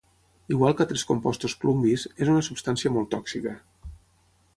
Igual que altres compostos plumbis, és una substància molt tòxica.